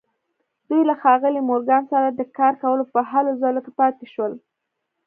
دوی له ښاغلي مورګان سره د کار کولو په هلو ځلو کې پاتې شول